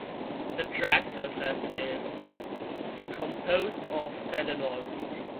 The track surface is composed of sand and oil.